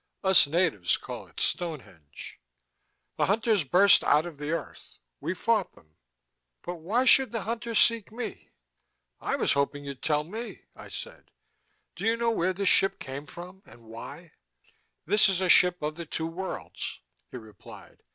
"Us natives call it Stonehenge." "The Hunters burst out of the earth. We fought them. But why should the Hunters seek me?" "I was hoping you'd tell me," I said. "Do you know where this ship came from? And why?" "This is a ship of the Two Worlds," he replied.